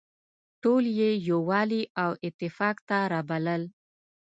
ټول يې يووالي او اتفاق ته رابلل.